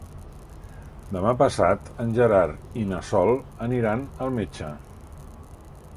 Demà passat en Gerard i na Sol aniran al metge.